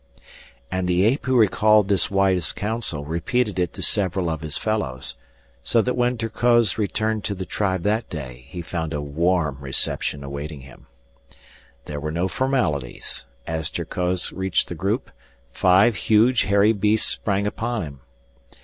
And the ape who recalled this wise counsel repeated it to several of his fellows, so that when Terkoz returned to the tribe that day he found a warm reception awaiting him. There were no formalities. As Terkoz reached the group, five huge, hairy beasts sprang upon him.